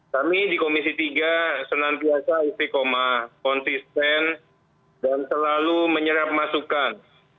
kami di komisi tiga senampiasa istri koma konsisten dan selalu menyerap masukan